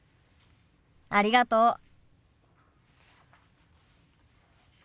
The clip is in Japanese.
ありがとう。